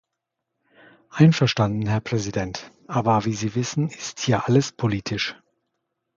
Einverstanden, Herr Präsident, aber wie Sie wissen, ist hier alles politisch.